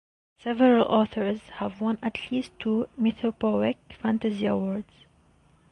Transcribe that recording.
Several authors have won at least two Mythopoeic Fantasy Awards.